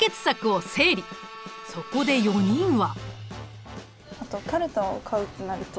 そこで４人は。